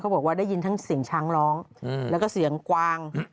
บอกว่าได้ยินทั้งเสียงช้างร้องแล้วก็เสียงกวาง